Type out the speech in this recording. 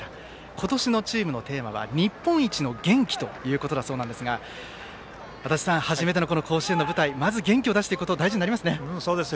今年のチームのテーマは「日本一の元気」ということだそうですが足達さん、初めての甲子園の舞台元気を出していくことが重要になりますね。